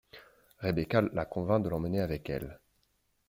Rebecca la convainc de l'emmener avec elle.